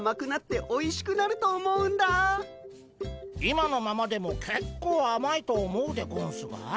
今のままでもけっこうあまいと思うでゴンスが。